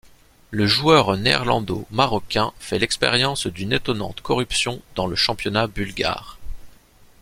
Le joueur néerlando-marocain fait l'expérience d'une étonnante corruption dans le championnat bulgare.